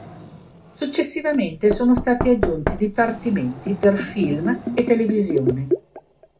Successivamente, sono stati aggiunti dipartimenti per film e televisione.